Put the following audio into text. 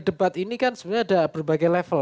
debat ini kan sebenarnya ada berbagai level